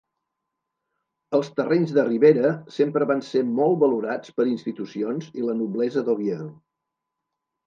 Els terrenys de Ribera sempre van ser molt valorats per institucions i la noblesa d'Oviedo.